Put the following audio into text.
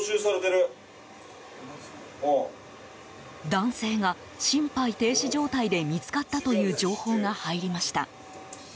男性が心肺停止状態で見つかったという情報が入りました。